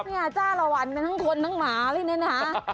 เนี่ยจ้าละวันกันทั้งคนทั้งหมาเลยเนี่ยนะคะ